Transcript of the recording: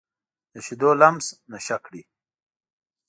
د شیدو لمس نشه کړي